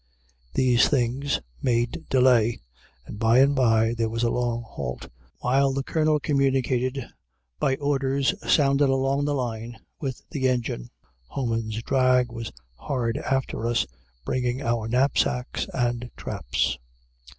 These things made delay, and by and by there was a long halt, while the Colonel communicated, by orders sounded along the line, with the engine. Homans's drag was hard after us, bringing our knapsacks and traps.